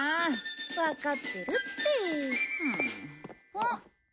あっ。